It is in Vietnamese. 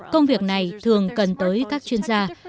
công việc này thường cần tới các chuyên gia